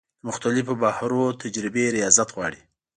د مختلفو بحرونو تجربې ریاضت غواړي.